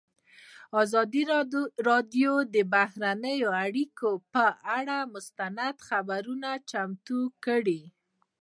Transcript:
ازادي راډیو د بهرنۍ اړیکې پر اړه مستند خپرونه چمتو کړې.